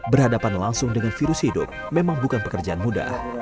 berhadapan langsung dengan virus hidup memang bukan pekerjaan mudah